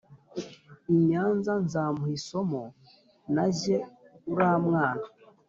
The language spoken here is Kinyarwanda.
inyanza nzamuha isomo najye uramwana